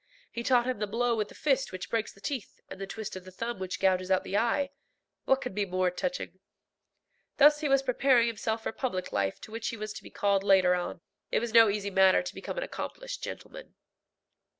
He taught him the blow with the fist which breaks the teeth, and the twist of the thumb which gouges out the eye. What could be more touching? Thus he was preparing himself for public life to which he was to be called later on. It is no easy matter to become an accomplished gentleman.